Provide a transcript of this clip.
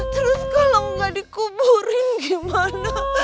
terus kalau nggak dikuburin gimana